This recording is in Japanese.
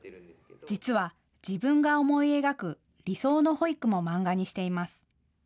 実は自分が思い描く理想の保育も漫画にしています。